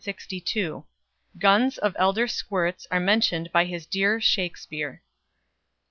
Guns of elder squirts are mentioned by his dear Shakespeare.